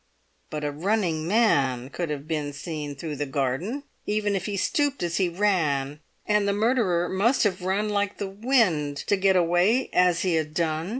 But a running man could have been seen through the garden, even if he stooped as he ran, and the murderer must have run like the wind to get away as he had done.